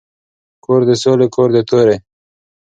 کور د ســــولي کـــــور د تَُوري